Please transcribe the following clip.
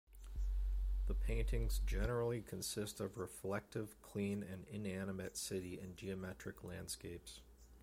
The paintings generally consist of reflective, clean, and inanimate city and geometric landscapes.